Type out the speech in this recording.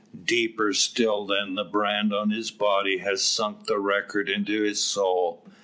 Deeper still than the brand on his body has sunk the record into his soul.